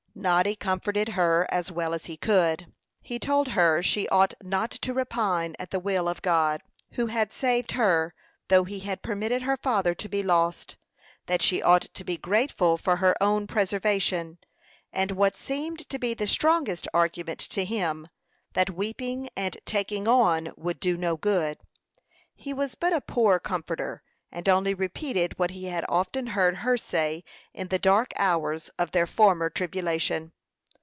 Noddy comforted her as well as he could. He told her she ought not to repine at the will of God, who had saved her, though he had permitted her father to be lost; that she ought to be grateful for her own preservation; and, what seemed to be the strongest argument to him, that weeping and "taking on" would do no good. He was but a poor comforter, and only repeated what he had often heard her say in the dark hours of their former tribulation.